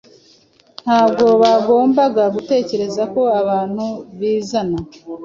Ntabwo bagombaga gutegereza ko abantu bizana